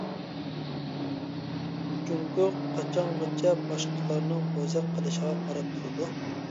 جۇڭگو قاچانغىچە باشقىلارنىڭ بوزەك قىلىشىغا قاراپ تۇرىدۇ.